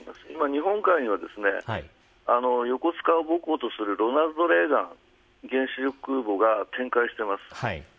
日本海には横須賀を母港とするロナルド・レーガン原子力空母が展開しています。